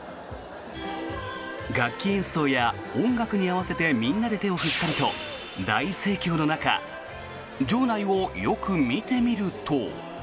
楽器演奏や音楽に合わせてみんなで手を振ったりと大盛況の中場内をよく見てみると。